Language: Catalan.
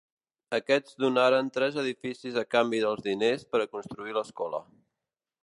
Aquests donaren tres edificis a canvi dels diners per a construir l'escola.